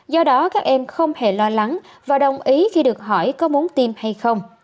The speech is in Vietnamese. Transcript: do đó các em không hề lo lắng và đồng ý khi được hỏi có muốn tiêm hay không